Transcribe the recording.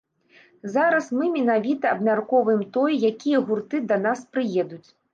Зараз мы менавіта абмяркоўваем тое, якія гурты да нас прыедуць.